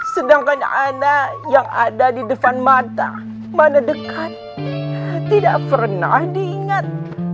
sedangkan anak yang ada di depan mata mana dekat tidak pernah diingat